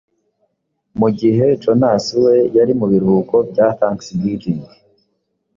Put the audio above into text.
mu gihe Jonas we yari mubiruhuko bya Thanksgiving